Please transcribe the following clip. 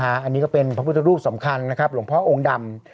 อันนี้ก็เป็นพระพุทธรูปสำคัญนะครับหลวงพ่อองค์ดำ